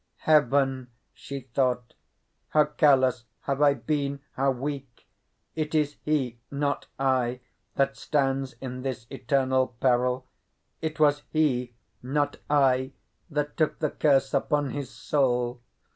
"Heaven!" she thought, "how careless have I been—how weak! It is he, not I, that stands in this eternal peril; it was he, not I, that took the curse upon his soul.